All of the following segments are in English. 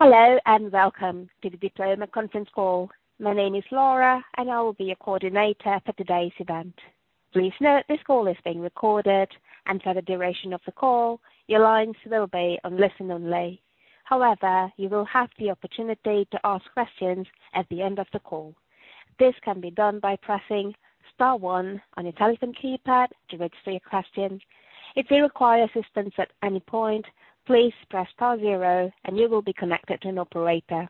Hello and welcome to the Diploma Conference Call. My name is Laura, and I will be your coordinator for today's event. Please note this call is being recorded, and for the duration of the call, your lines will be on listen only. However, you will have the opportunity to ask questions at the end of the call. This can be done by pressing star one on your telephone keypad to register your question. If you require assistance at any point, please press star zero, and you will be connected to an operator.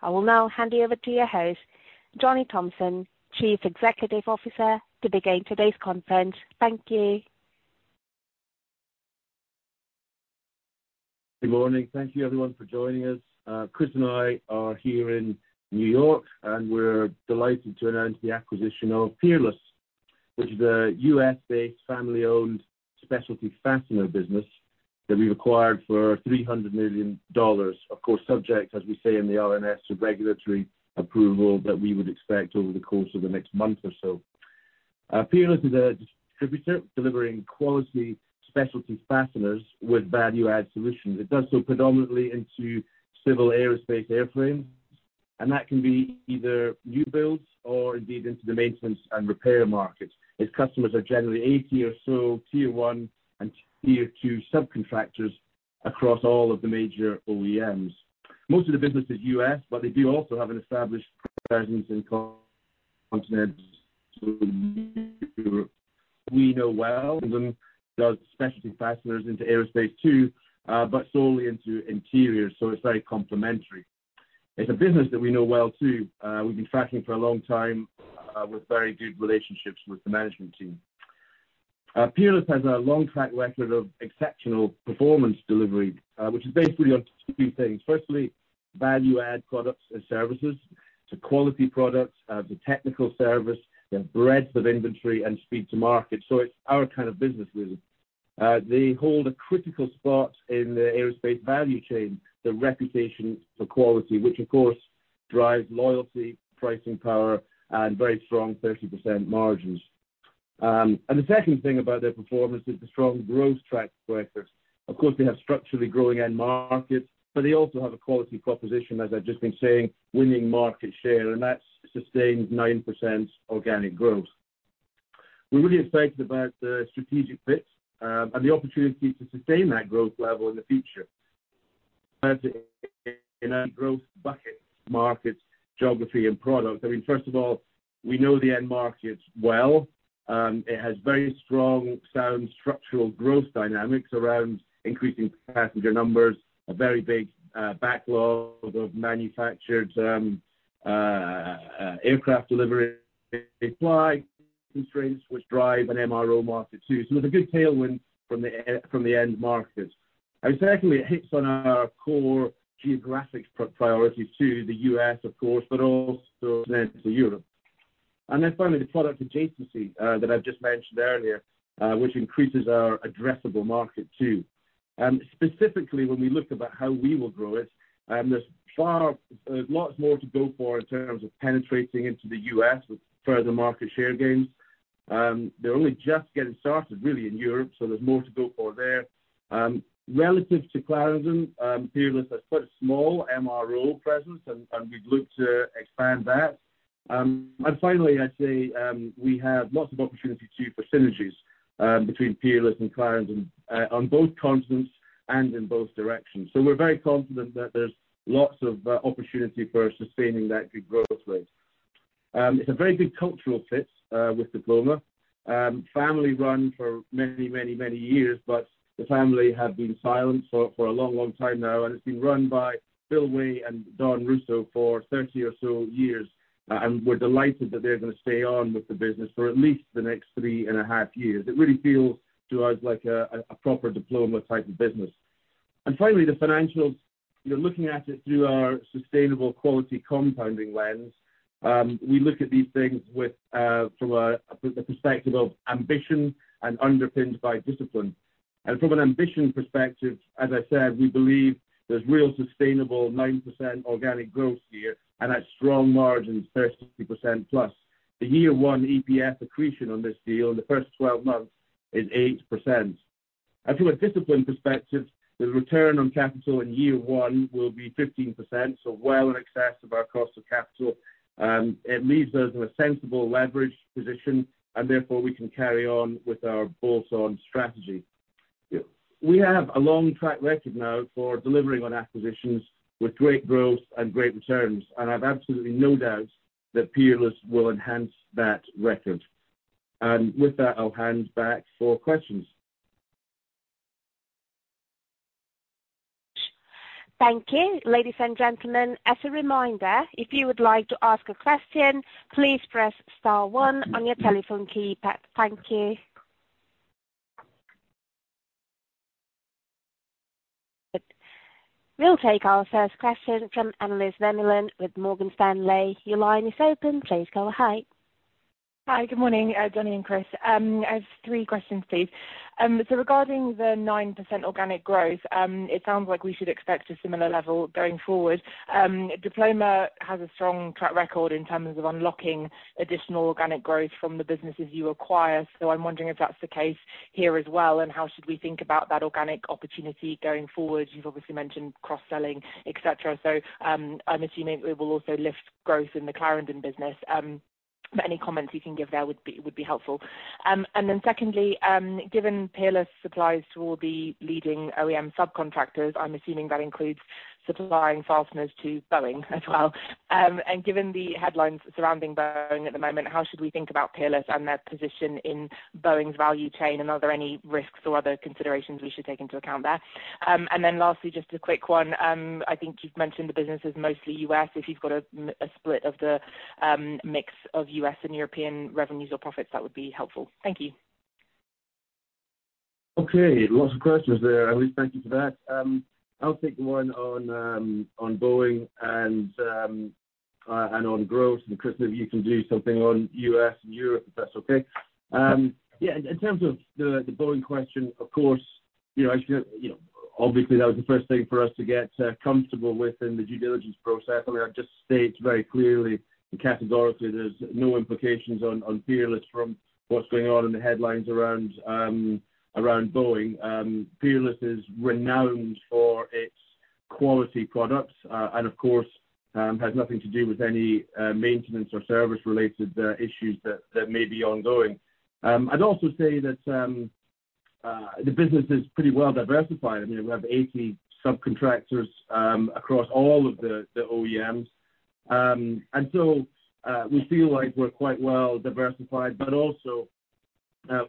I will now hand you over to your host, Johnny Thomson, Chief Executive Officer, to begin today's conference. Thank you. Good morning. Thank you, everyone, for joining us. Chris and I are here in New York, and we're delighted to announce the acquisition of Peerless, which is a U.S.-based, family-owned specialty fastener business that we've acquired for $300 million. Of course, subject, as we say in the RNS, to regulatory approval that we would expect over the course of the next month or so. Peerless is a distributor delivering quality specialty fasteners with value-add solutions. It does so predominantly into civil aerospace airframes, and that can be either new builds or, indeed, into the maintenance and repair markets. Its customers are generally 80 or so Tier 1 and Tier 2 subcontractors across all of the major OEMs. Most of the business is U.S., but they do also have an established presence in continents [inaudible] Europe. We know well. England does specialty fasteners into aerospace too, but solely into interiors, so it's very complementary. It's a business that we know well too. We've been tracking for a long time, with very good relationships with the management team. Peerless has a long track record of exceptional performance delivery, which is basically on two things. Firstly, value-add products and services. It's a quality product. It's a technical service. They have breadth of inventory and speed to market, so it's our kind of business, really. They hold a critical spot in the aerospace value chain, the reputation for quality, which, of course, drives loyalty, pricing power, and very strong 30% margins. The second thing about their performance is the strong growth track record. Of course, they have structurally growing end markets, but they also have a quality proposition, as I've just been saying, winning market share, and that's sustained 9% organic growth. We're really excited about the strategic fit, and the opportunity to sustain that growth level in the future. As in any growth bucket, markets, geography, and product, I mean, first of all, we know the end markets well. It has very strong, sound structural growth dynamics around increasing passenger numbers, a very big backlog of manufactured aircraft delivery. It has supply constraints which drive an MRO market too, so there's a good tailwind from the end markets. And secondly, it hits on our core geographic priorities too, the U.S., of course, but also to Europe. And then finally, the product adjacency, that I've just mentioned earlier, which increases our addressable market too. Specifically, when we look about how we will grow it, there's lots more to go for in terms of penetrating into the U.S. with further market share gains. They're only just getting started, really, in Europe, so there's more to go for there. Relative to Clarendon, Peerless has quite a small MRO presence, and we'd look to expand that. And finally, I'd say, we have lots of opportunity too for synergies between Peerless and Clarendon, on both continents and in both directions. So we're very confident that there's lots of opportunity for sustaining that good growth rate. It's a very good cultural fit with Diploma. Family run for many, many, many years, but the family have been silent for, for a long, long time now, and it's been run by Bill Wei and Dan Russo for 30 or so years. We're delighted that they're gonna stay on with the business for at least the next 3.5 years. It really feels to us like a proper Diploma type of business. And finally, the financials. You're looking at it through our sustainable quality compounding lens. We look at these things from a perspective of ambition and underpinned by discipline. And from an ambition perspective, as I said, we believe there's real sustainable 9% organic growth here and at strong margins, 30%+. The year one EPS accretion on this deal in the first 12 months is 8%. And from a discipline perspective, the return on capital in year one will be 15%, so well in excess of our cost of capital. It leaves us in a sensible leverage position, and therefore, we can carry on with our bolt-on strategy. Yeah. We have a long track record now for delivering on acquisitions with great growth and great returns, and I have absolutely no doubt that Peerless will enhance that record. With that, I'll hand back for questions. Thank you, ladies and gentlemen. As a reminder, if you would like to ask a question, please press star one on your telephone keypad. Thank you. We'll take our first question from Annelies Vermeulen with Morgan Stanley. Your line is open. Please go ahead. Hi. Good morning, Johnny and Chris. I have three questions, please. Regarding the 9% organic growth, it sounds like we should expect a similar level going forward. Diploma has a strong track record in terms of unlocking additional organic growth from the businesses you acquire, so I'm wondering if that's the case here as well and how should we think about that organic opportunity going forward. You've obviously mentioned cross-selling, etc., so I'm assuming it will also lift growth in the Clarendon business. Any comments you can give there would be helpful. Secondly, given Peerless supplies to all the leading OEM subcontractors, I'm assuming that includes supplying fasteners to Boeing as well. Given the headlines surrounding Boeing at the moment, how should we think about Peerless and their position in Boeing's value chain, and are there any risks or other considerations we should take into account there? And then lastly, just a quick one, I think you've mentioned the business is mostly U.S., if you've got a split of the mix of U.S. and European revenues or profits, that would be helpful. Thank you. Okay. Lots of questions there, Annelies. Thank you for that. I'll take one on, on Boeing and, and on growth. And Chris, maybe you can do something on US and Europe if that's okay. Yeah, in terms of the, the Boeing question, of course, you know, as you know, you know, obviously, that was the first thing for us to get comfortable with in the due diligence process. I mean, I've just stated very clearly and categorically there's no implications on, on Peerless from what's going on in the headlines around, around Boeing. Peerless is renowned for its quality products, and, of course, has nothing to do with any, maintenance or service-related, issues that, that may be ongoing. I'd also say that, the business is pretty well diversified. I mean, we have 80 subcontractors, across all of the, the OEMs. And so, we feel like we're quite well diversified, but also,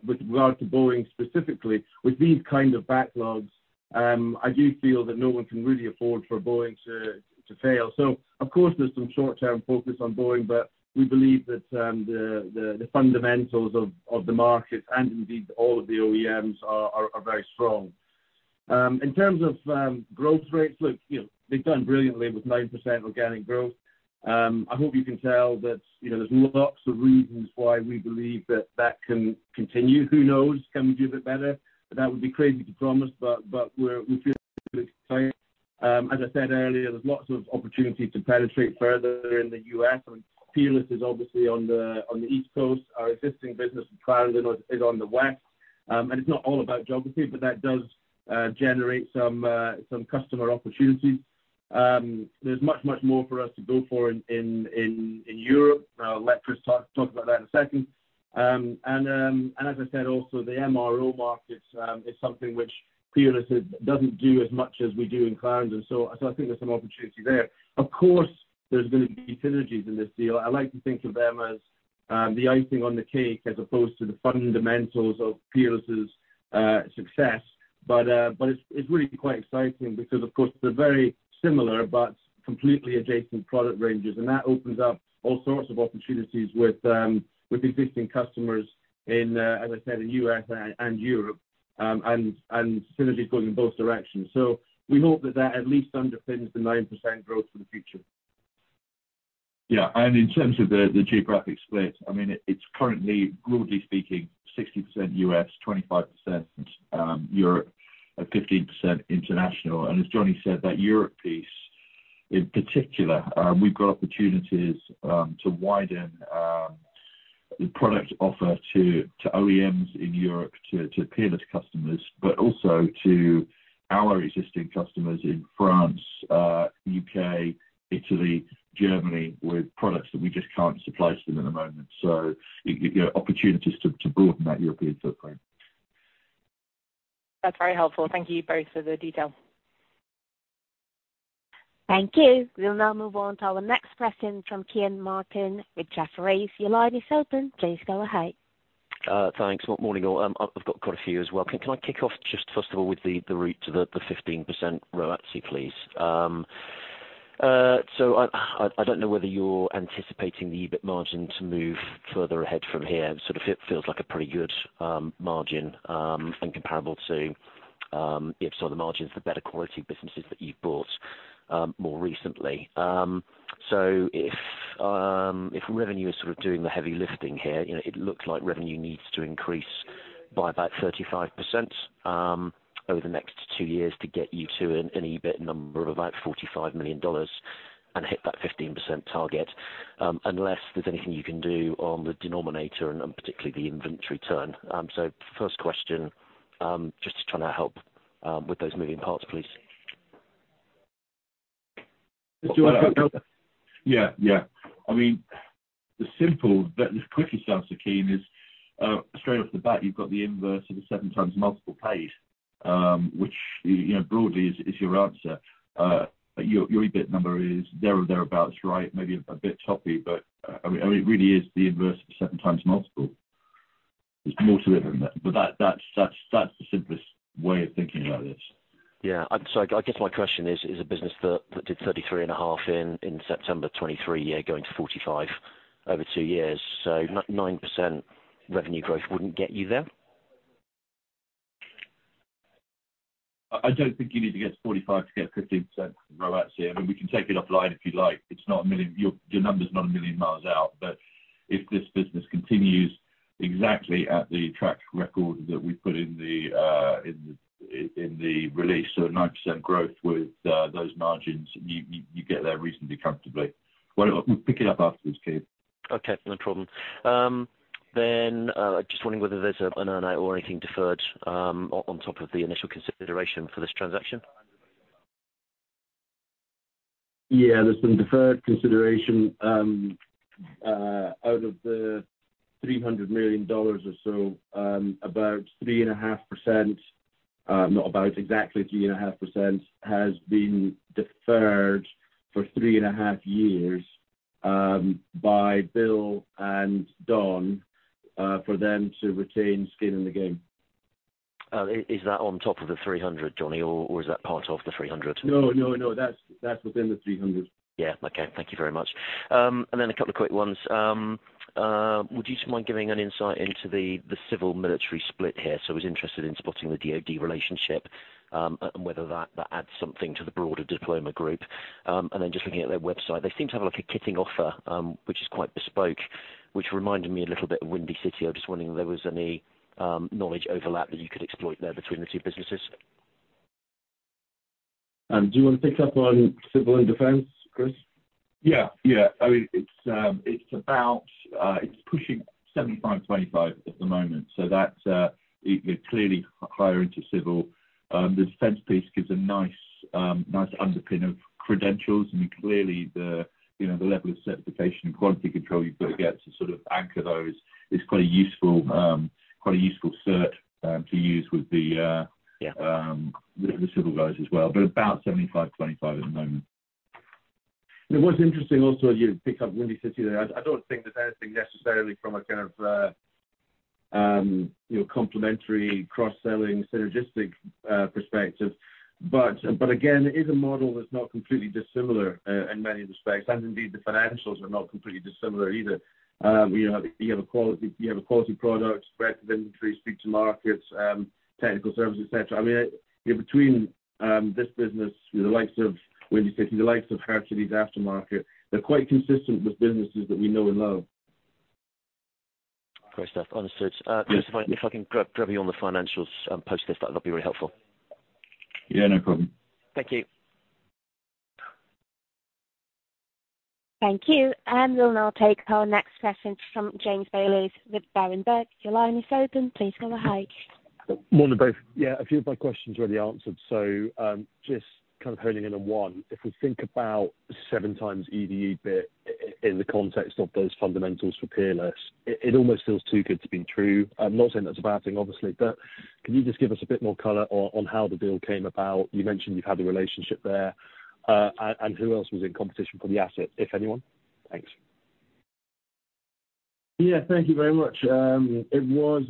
with regard to Boeing specifically, with these kind of backlogs, I do feel that no one can really afford for Boeing to fail. So, of course, there's some short-term focus on Boeing, but we believe that the fundamentals of the markets and, indeed, all of the OEMs are very strong. In terms of growth rates, look, you know, they've done brilliantly with 9% organic growth. I hope you can tell that, you know, there's lots of reasons why we believe that that can continue. Who knows? Can we do a bit better? That would be crazy to promise, but we're, we feel pretty excited. As I said earlier, there's lots of opportunity to penetrate further in the U.S. I mean, Peerless is obviously on the East Coast. Our existing business with Clarendon is on the West. And it's not all about geography, but that does generate some customer opportunities. There's much more for us to go for in Europe. Let Chris talk about that in a second. And as I said also, the MRO market is something which Peerless doesn't do as much as we do in Clarendon, so I think there's some opportunity there. Of course, there's gonna be synergies in this deal. I like to think of them as the icing on the cake as opposed to the fundamentals of Peerless's success. But it's really quite exciting because, of course, they're very similar but completely adjacent product ranges, and that opens up all sorts of opportunities with existing customers in, as I said, in U.S. and Europe and synergies going in both directions. So we hope that at least underpins the 9% growth for the future. Yeah. And in terms of the geographic split, I mean, it's currently, broadly speaking, 60% US, 25% Europe, and 15% international. And as Johnny said, that Europe piece, in particular, we've got opportunities to widen the product offer to OEMs in Europe, to Peerless customers, but also to our existing customers in France, U.K., Italy, Germany with products that we just can't supply to them at the moment. So you know, opportunities to broaden that European footprint. That's very helpful. Thank you both for the detail. Thank you. We'll now move on to our next question from Kean Marden with Jefferies. Your line is open. Please go ahead. Thanks. Morning, all. I've got quite a few as well. Can I kick off just, first of all, with the route to the 15%, [inaudible] please? I don't know whether you're anticipating the EBIT margin to move further ahead from here. It sort of feels like a pretty good margin, and comparable to, if some of the margins of the better quality businesses that you've bought, more recently. If revenue is sort of doing the heavy lifting here, you know, it looks like revenue needs to increase by about 35%, over the next two years to get you to an EBIT number of about $45 million and hit that 15% target, unless there's anything you can do on the denominator and particularly the inventory turn. First question, just trying to help, with those moving parts, please. Do you want to go? Yeah. Yeah. I mean, the simplest, the quickest answer, Kean, is, straight off the bat, you've got the inverse of the 7x multiple paid, which, you know, broadly, is your answer. Your EBIT number is there or thereabouts, right? Maybe a bit choppy, but, I mean, it really is the inverse of the 7x multiple. There's more to it than that. But that's the simplest way of thinking about this. Yeah. I'm sorry. I guess my question is, is a business that did $33.5 in September 2023, yeah, going to $45 over two years, so 9% revenue growth wouldn't get you there? I don't think you need to get to 45 to get 15% royalty. I mean, we can take it offline if you like. It's not a million, your number's not a million miles out. But if this business continues exactly at the track record that we put in the release, so 9% growth with those margins, you get there reasonably comfortably. Well, we'll pick it up afterwards, Kean. Okay. No problem. Then, just wondering whether there's an RNS or anything deferred, on top of the initial consideration for this transaction. Yeah. There's some deferred consideration out of the $300 million or so, about 3.5%. Exactly 3.5% has been deferred for 3.5 years, by Bill and Don, for them to retain skin in the game. Is that on top of the 300, Johnny, or, or is that part of the 300? No. That's, that's within the 300. Yeah. Okay. Thank you very much. And then a couple of quick ones. Would you mind giving an insight into the civil-military split here? So I was interested in spotting the DoD relationship, and whether that adds something to the broader Diploma group. And then just looking at their website, they seem to have, like, a kitting offer, which is quite bespoke, which reminded me a little bit of Windy City. I was just wondering if there was any knowledge overlap that you could exploit there between the two businesses. Do you wanna pick up on civil and defense, Chris? Yeah. Yeah. I mean, it's, it's about, it's pushing 75/25 at the moment, so that, you know, clearly higher into civil. The defense piece gives a nice, nice underpin of credentials. I mean, clearly, the, you know, the level of certification and quality control you've got to get to sort of anchor those is quite a useful, quite a useful cert, to use with the civil guys as well. But about 75/25 at the moment. It was interesting also you picked up Windy City there. I, I don't think there's anything necessarily from a kind of, you know, complementary cross-selling synergistic, perspective. But, but again, it is a model that's not completely dissimilar, in many respects. And indeed, the financials are not completely dissimilar either. You know, you have a quality you have a quality product, breadth of inventory, speed to market, technical service, etc. I mean, you know, between, this business, you know, the likes of Windy City, the likes of Hercules aftermarket, they're quite consistent with businesses that we know and love. Great stuff. Understood. Chris, if I can grab you on the financials, post this, that'd be really helpful. Yeah. No problem. Thank you. Thank you. We'll now take our next question from James Bayliss with Berenberg. Your line is open. Please go ahead. Morning, both. Yeah. A few of my questions are already answered. So, just kind of honing in on one. If we think about seven times EBIT in the context of those fundamentals for Peerless, it almost feels too good to be true. I'm not saying that's a bad thing, obviously, but can you just give us a bit more color on how the deal came about? You mentioned you've had a relationship there. And who else was in competition for the asset, if anyone? Thanks. Yeah. Thank you very much. It was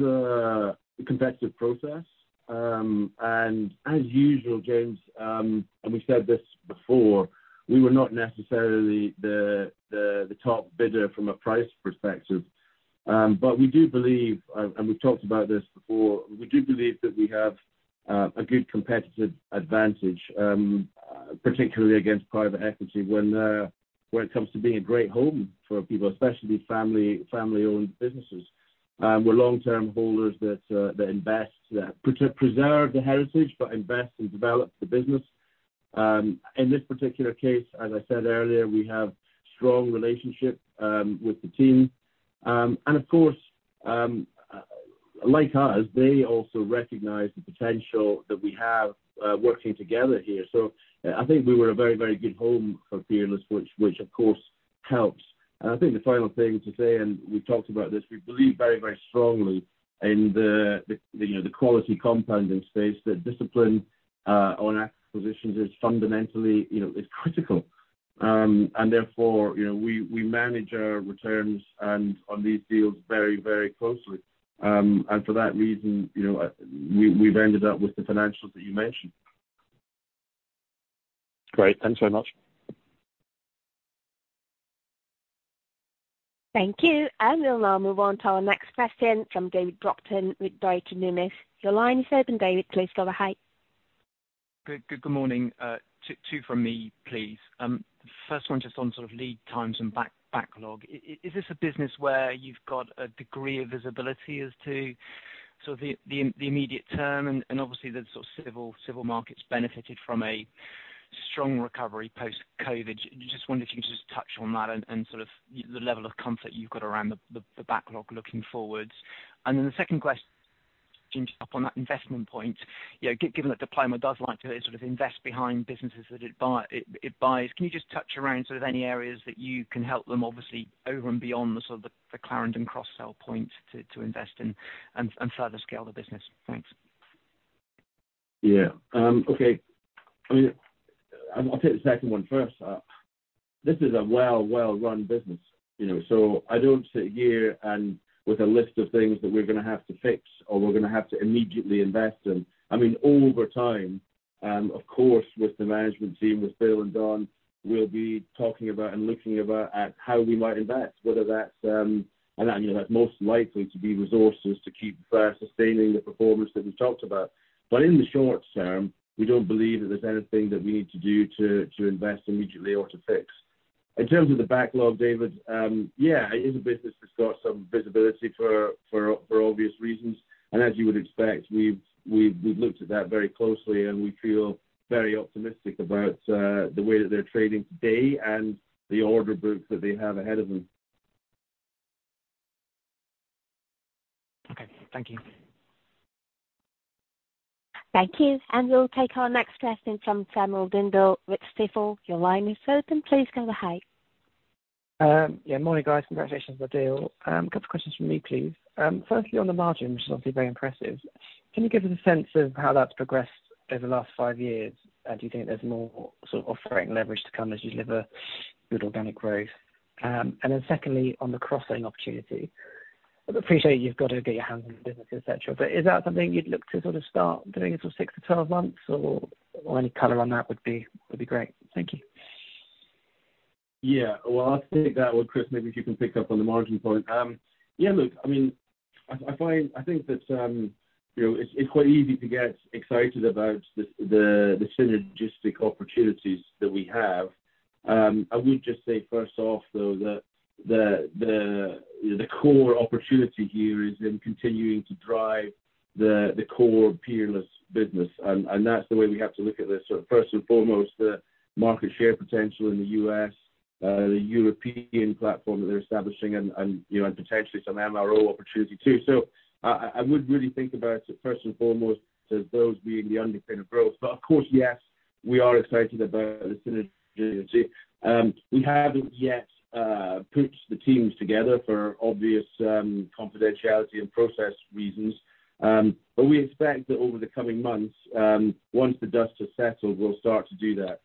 a competitive process. And as usual, James, and we've said this before, we were not necessarily the top bidder from a price perspective. But we do believe, and we've talked about this before, we do believe that we have a good competitive advantage, particularly against private equity when it comes to being a great home for people, especially family-owned businesses. We're long-term holders that invest, that preserve the heritage but invest and develop the business. In this particular case, as I said earlier, we have a strong relationship with the team. And of course, like us, they also recognize the potential that we have, working together here. So, I think we were a very good home for Peerless, which, of course, helps. I think the final thing to say, and we've talked about this, we believe very, very strongly in the you know, the quality compounding space, that discipline on acquisitions is fundamentally you know, is critical. And therefore, you know, we manage our returns on these deals very, very closely. And for that reason, you know, we've ended up with the financials that you mentioned. Great. Thanks very much. Thank you. We'll now move on to our next question from David McCann with Deutsche Numis. Your line is open, David. Please go ahead. Good morning. Two from me, please. First one just on sort of lead times and backlog. Is this a business where you've got a degree of visibility as to sort of the immediate term? And obviously, the sort of civil markets benefited from a strong recovery post-COVID. Just wondered if you could just touch on that and sort of the level of comfort you've got around the backlog looking forwards. And then the second question, [inaudible] just up on that investment point, you know, given that Diploma does like to sort of invest behind businesses that it buys, can you just touch on sort of any areas that you can help them, obviously, over and beyond the sort of the Clarendon cross-sell point to invest in and further scale the business? Thanks. Yeah. Okay. I mean, I'll take the second one first. This is a well, well-run business, you know, so I don't sit here and with a list of things that we're gonna have to fix or we're gonna have to immediately invest in. I mean, over time, of course, with the management team, with Bill and Dan, we'll be talking about and looking about, at how we might invest, whether that's, and that, you know, that's most likely to be resources to keep, sustaining the performance that we've talked about. But in the short term, we don't believe that there's anything that we need to do to, to invest immediately or to fix. In terms of the backlog, David, yeah, it is a business that's got some visibility for obvious reasons. As you would expect, we've looked at that very closely, and we feel very optimistic about the way that they're trading today and the order books that they have ahead of them. Okay. Thank you. Thank you. We'll take our next question from Sam Dindol with Stifel. Your line is open. Please go ahead. Yeah. Morning, guys. Congratulations on the deal. A couple of questions from me, please. Firstly, on the margin, which is obviously very impressive, can you give us a sense of how that's progressed over the last five years, and do you think there's more sort of offering leverage to come as you deliver good organic growth? And then secondly, on the cross-selling opportunity. I appreciate you've got to get your hands on the business, etc., but is that something you'd look to sort of start doing in sort of 6-12 months, or, or any color on that would be, would be great. Thank you. Yeah. Well, I think that would Chris, maybe if you can pick up on the margin point. Yeah, look, I mean, I find I think that, you know, it's quite easy to get excited about the synergistic opportunities that we have. I would just say, first off, though, that the, you know, the core opportunity here is in continuing to drive the core Peerless business. And that's the way we have to look at this, sort of first and foremost, the market share potential in the U.S., the European platform that they're establishing, and, you know, and potentially some MRO opportunity too. So I would really think about it first and foremost as those being the underpin of growth. But of course, yes, we are excited about the synergy. We haven't yet put the teams together for obvious confidentiality and process reasons. But we expect that over the coming months, once the dust has settled, we'll start to do that.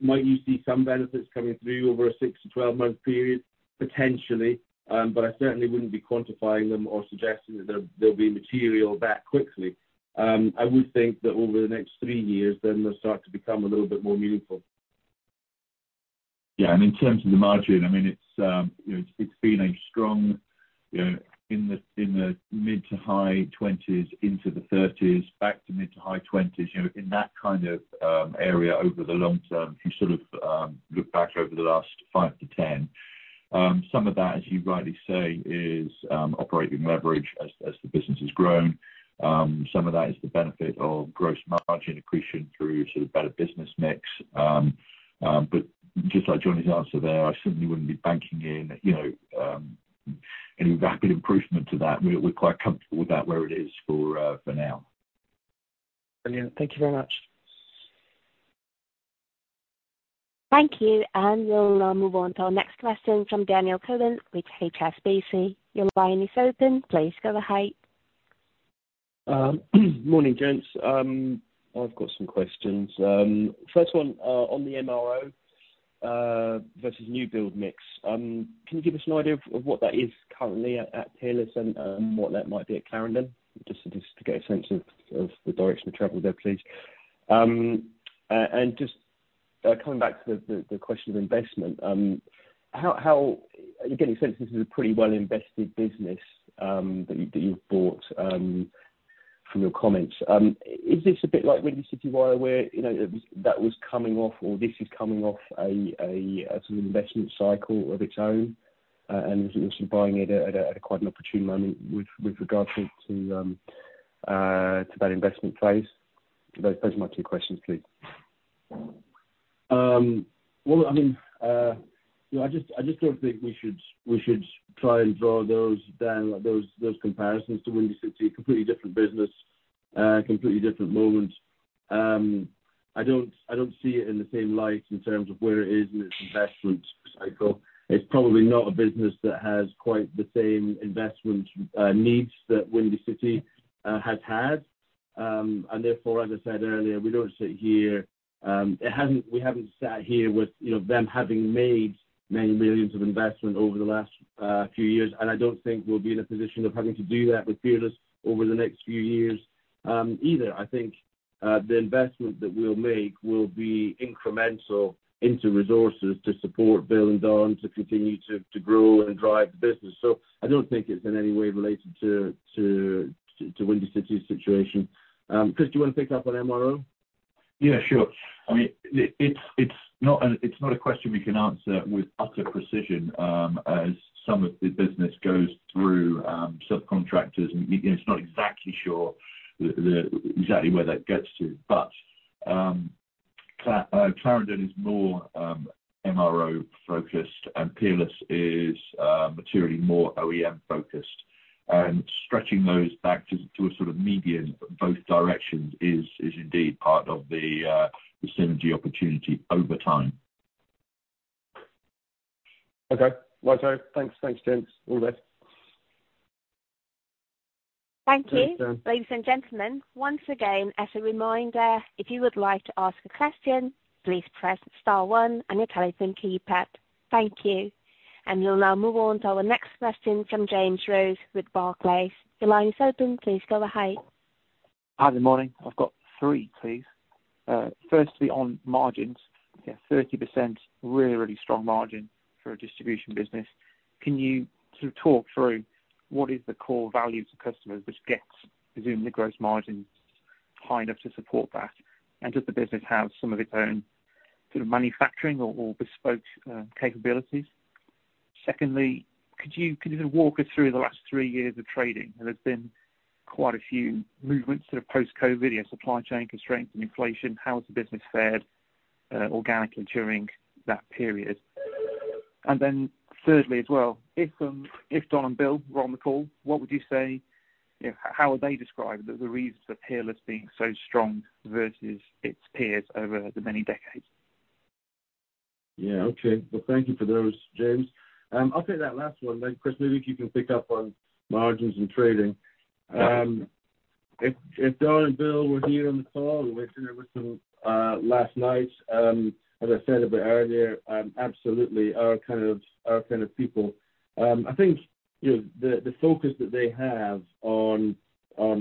Might you see some benefits coming through over a 6-12-month period? Potentially, but I certainly wouldn't be quantifying them or suggesting that they'll, they'll be material that quickly. I would think that over the next three years, then they'll start to become a little bit more meaningful. Yeah. And in terms of the margin, I mean, it's, you know, it's been a strong, you know, in the mid- to high-20s%, into the 30s%, back to mid- to high-20s%, you know, in that kind of area over the long term, if you sort of look back over the last 5 to 10. Some of that, as you rightly say, is operating leverage as the business has grown. Some of that is the benefit of gross margin accretion through sort of better business mix. But just like Johnny's answer there, I certainly wouldn't be banking on, you know, any rapid improvement to that. We're quite comfortable with that where it is for now. Brilliant. Thank you very much. Thank you. We'll now move on to our next question from Daniel Cohen with HSBC. Your line is open. Please go ahead. Morning, Johnny. I've got some questions. First one, on the MRO versus new build mix. Can you give us an idea of what that is currently at Peerless and what that might be at Clarendon? Just to get a sense of the direction of travel there, please. And just, coming back to the question of investment, how are you getting a sense this is a pretty well-invested business that you've bought, from your comments? Is this a bit like Windy City Wire, you know, it was coming off, or this is coming off a sort of investment cycle of its own? And you're sort of buying it at quite an opportune moment with regard to that investment phase? Those are my two questions, please. Well, I mean, you know, I just don't think we should try and draw those comparisons to Windy City. Completely different business, completely different moment. I don't see it in the same light in terms of where it is in its investment cycle. It's probably not a business that has quite the same investment needs that Windy City has had. And therefore, as I said earlier, we haven't sat here with, you know, them having made many millions of investment over the last few years. And I don't think we'll be in a position of having to do that with Peerless over the next few years, either. I think the investment that we'll make will be incremental into resources to support Bill and Dan to continue to grow and drive the business. So I don't think it's in any way related to Windy City's situation. Chris, do you wanna pick up on MRO? Yeah. Sure. I mean, it's not a question we can answer with utter precision, as some of the business goes through subcontractors. And you know, it's not exactly sure the exactly where that gets to. But, Clarendon is more MRO-focused, and Peerless is materially more OEM-focused. And stretching those back to a sort of median both directions is indeed part of the synergy opportunity over time. Okay. Well done. Thanks, James. All the best. Thank you. Thanks, John. Ladies and gentlemen, once again, as a reminder, if you would like to ask a question, please press star 1 and your telephone keypad. Thank you. We'll now move on to our next question from James Rose with Barclays. Your line is open. Please go ahead. Hi. Good morning. I've got three, please. First, to be on margins. Yeah. 30% really, really strong margin for a distribution business. Can you sort of talk through what is the core value to customers which gets presumably gross margin high enough to support that? And does the business have some of its own sort of manufacturing or, or bespoke, capabilities? Secondly, could you even walk us through the last three years of trading? And there's been quite a few movements sort of post-COVID, you know, supply chain constraints and inflation. How has the business fared, organically during that period? And then thirdly as well, if Don and Bill were on the call, what would you say you know, how would they describe the reasons for Peerless being so strong versus its peers over the many decades? Yeah. Okay. Well, thank you for those, James. I'll take that last one. Chris, maybe if you can pick up on margins and trading. If Dan and Bill were here on the call, we went through there with some last night. As I said a bit earlier, absolutely, our kind of people I think, you know, the focus that they have on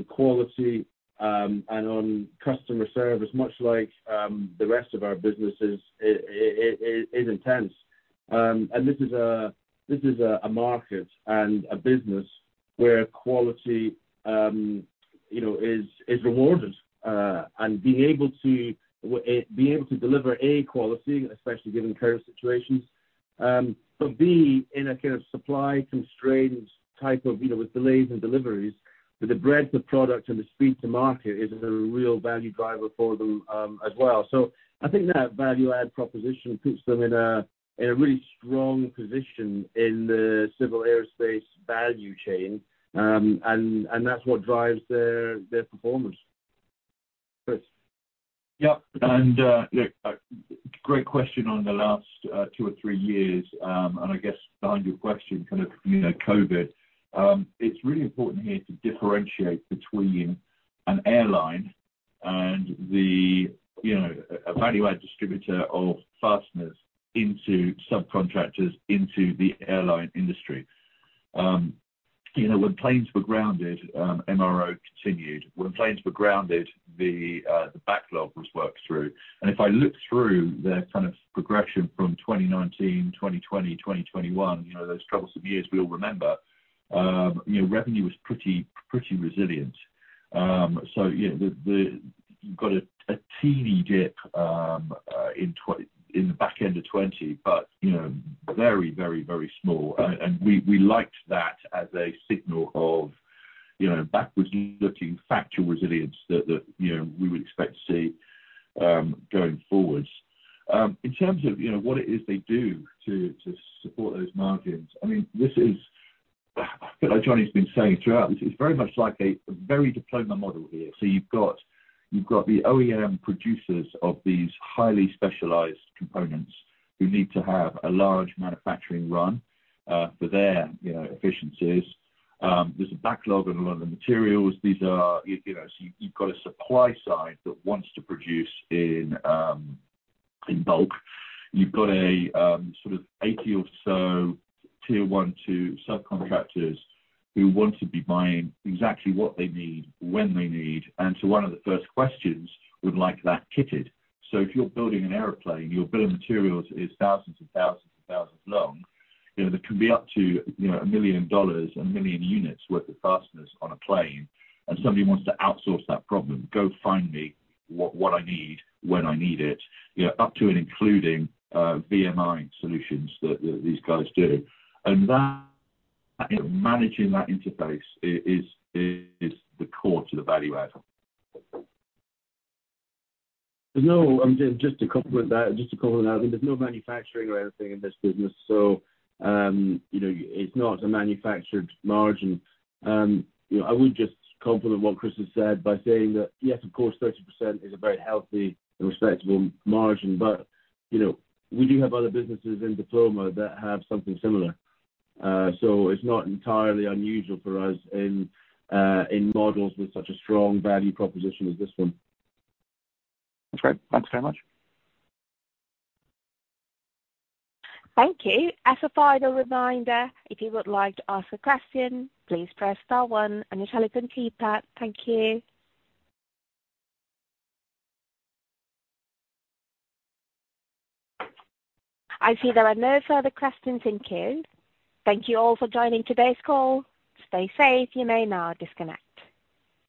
quality and on customer service, much like the rest of our businesses, it is intense. And this is a market and a business where quality, you know, is rewarded, and being able to deliver a quality, especially given current situations, but B, in a kind of supply-constrained type of, you know, with delays and deliveries, that the breadth of product and the speed to market is a real value driver for them, as well. So I think that value-add proposition puts them in a really strong position in the civil aerospace value chain. And that's what drives their performance. Chris? Yep. And, you know, a great question on the last two or three years. And I guess behind your question, kind of, you know, COVID, it's really important here to differentiate between an airline and the, you know, a value-add distributor of fasteners into subcontractors into the airline industry. You know, when planes were grounded, MRO continued. When planes were grounded, the backlog was worked through. And if I look through their kind of progression from 2019, 2020, 2021, you know, those troublesome years we all remember, you know, revenue was pretty, pretty resilient. So, you know, the you've got a teeny dip in 2020 in the back end of 2020, but, you know, very, very, very small. And we liked that as a signal of, you know, backwards-looking factual resilience that, you know, we would expect to see, going forwards. In terms of, you know, what it is they do to, to support those margins, I mean, this is I feel like Johnny's been saying throughout this, it's very much like a very Diploma model here. So you've got you've got the OEM producers of these highly specialized components who need to have a large manufacturing run, for their, you know, efficiencies. There's a backlog on a lot of the materials. These are you, you know, so you've got a supply side that wants to produce in bulk. You've got a, sort of 80 or so Tier 1 to subcontractors who want to be buying exactly what they need when they need and to one of the first questions, would like that kitted. So if you're building an airplane, your bill of materials is thousands and thousands and thousands long, you know, there can be up to, you know, $1 million and 1 million units worth of fasteners on a plane. And somebody wants to outsource that problem. Go find me what I need when I need it, you know, up to and including, VMI solutions that these guys do. And that, you know, managing that interface is, is the core to the value add. No, I'm just to complement that. I mean, there's no manufacturing or anything in this business. So, you know, it's not a manufactured margin. You know, I would just complement what Chris has said by saying that, yes, of course, 30% is a very healthy and respectable margin, but, you know, we do have other businesses in Diploma that have something similar. So it's not entirely unusual for us in models with such a strong value proposition as this one. Okay. Thanks very much. Thank you. As a final reminder, if you would like to ask a question, please press star one and your telephone keypad. Thank you. I see there are no further questions in queue. Thank you all for joining today's call. Stay safe. You may now disconnect.